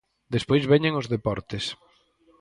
Despois veñen os deportes.